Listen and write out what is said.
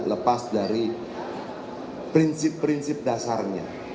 lepas dari prinsip prinsip dasarnya